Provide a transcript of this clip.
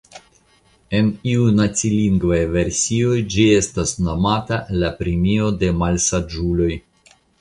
En iuj nacilingvaj versioj ĝi estas nomata la "Premio de malsaĝuloj".